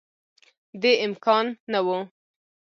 دې امکان نه وو